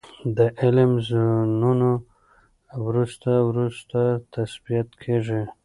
د علم زونونه وروسته وروسته تثبیت کیږي.